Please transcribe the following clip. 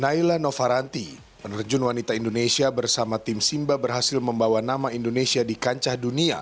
naila novaranti penerjun wanita indonesia bersama tim simba berhasil membawa nama indonesia di kancah dunia